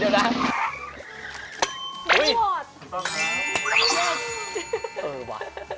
เดี๋ยวนะ